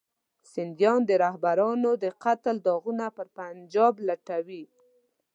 سندیان د رهبرانو د قتل داغونه پر پنجاب لټوي.